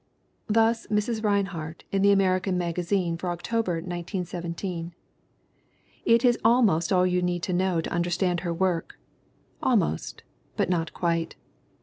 Thus Mrs. Rinehart in the American Magazine for October, 1917. It is almost all you need to know to understand her work. Almost, but not quite.